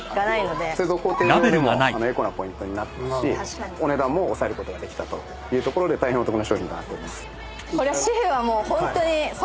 製造工程上でもエコなポイントになってますしお値段も抑えることができたと大変お得な商品となってます。